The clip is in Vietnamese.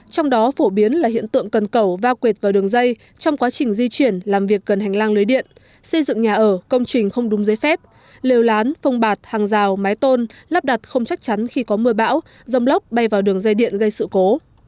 trong đó phổ biến là hiện tượng cần cẩu va quệt vào đường dây trong quá trình di chuyển làm việc gần hành lang lưới điện xây dựng nhà ở công trình không đúng giấy phép liều lán phông bạt hàng rào mái tôn lắp đặt không chắc chắn khi có mưa bão rông lốc bay vào đường dây điện gây sự cố